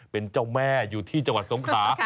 เป็นเจ้าแม่อยู่ที่จังหวัดสงขา